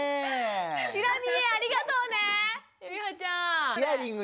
チラ見えありがとうねゆいはちゃん。